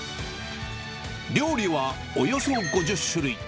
料理はおよそ５０種類。